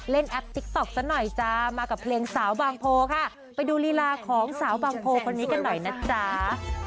แอปติ๊กต๊อกซะหน่อยจ้ามากับเพลงสาวบางโพค่ะไปดูลีลาของสาวบางโพคนนี้กันหน่อยนะจ๊ะ